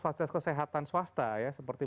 fasilitas kesehatan swasta ya seperti